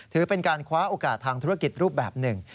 ถือเป็นการคว้าโอกาสทางธุรกิจรูปแบบหนึ่ง